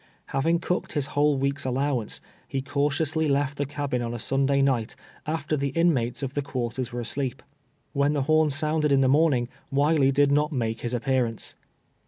Having cooked his whole week's allowance, he cautiously left the cabin on a Sunday night, after the inmates of the quarters M ere asleep. AVlien the horn sounded in the morning, "Wiley did not make his ai^pearance.